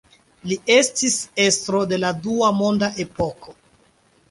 Li estis estro de la dua monda epoko.